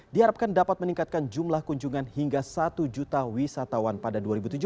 diharapkan dapat meningkatkan jumlah kunjungan hingga satu juta wisatawan pada dua ribu tujuh belas